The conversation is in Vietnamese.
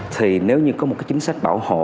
thì nếu như có một cái chính sách bảo hộ